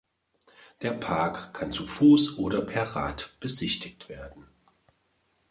Der Park kann zu Fuß oder per Rad besichtigt werden.